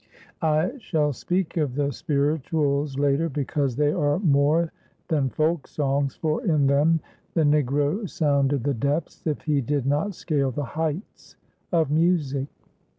I shall speak of the "spirituals" later because they are more than folk songs, for in them the Negro sounded the depths, if he did not scale the heights, of music.